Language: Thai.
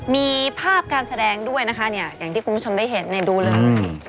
มีภาพการแสดงด้วยนะคะเนี่ยอย่างที่คุณผู้ชมได้เห็นดูเลย